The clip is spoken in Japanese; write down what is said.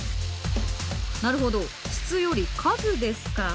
なるほど質より数ですか。